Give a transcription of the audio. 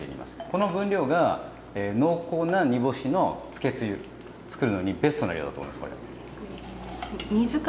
この分量が濃厚な煮干しのつけつゆつくるのにベストな量だと思いますこれ。